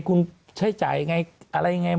คุณใช้จ่ายไงอะไรไง